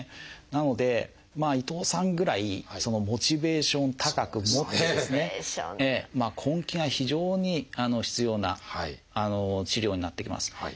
なので伊藤さんぐらいモチベーションを高く持ってですね根気が非常に必要な治療になってきます。